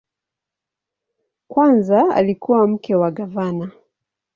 Kwanza alikuwa mke wa gavana.